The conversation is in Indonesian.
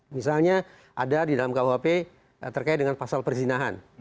misalnya ada di dalam kuhp terkait dengan pasal perzinahan